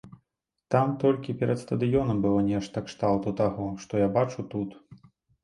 Там толькі перад стадыёнам было нешта кшталту таго, што я бачу тут.